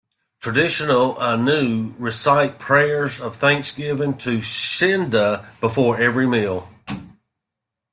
Traditional Ainu recite prayers of thanksgiving to Shinda before every meal.